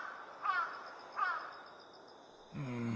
うん。